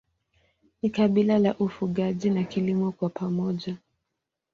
Ni kabila la ufugaji na kilimo kwa pamoja.